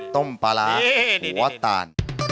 ต้มปลาร้าหัวตาน